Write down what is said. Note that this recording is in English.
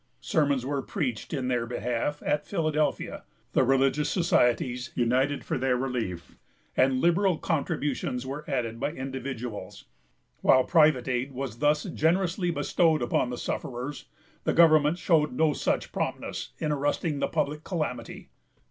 Sermons were preached in their behalf at Philadelphia; the religious societies united for their relief, and liberal contributions were added by individuals. While private aid was thus generously bestowed upon the sufferers, the government showed no such promptness in arresting the public calamity.